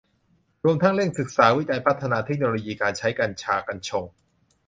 รวมทั้งเร่งศึกษาวิจัยพัฒนาเทคโนโลยีการใช้ กัญชา กัญชง